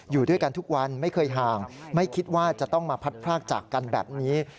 อยู่ด้วยกันทุกวันไม่เคยห่างไม่คิดว่าจะต้องมาพัดพรากจากกันแบบนี้